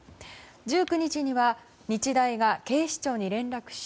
１９日には日大が警視庁に連絡し